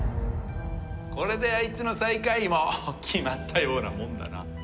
これであいつの最下位も決まったようなもんだな。